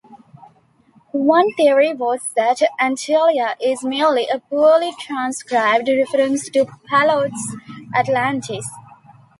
One theory was that "Antillia" is merely a poorly-transcribed reference to Plato's "Atlantis".